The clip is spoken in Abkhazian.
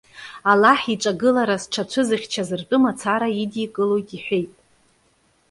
Аллаҳ иҿагылара зҽацәызыхьчаз ртәы мацара идикылоит иҳәеит.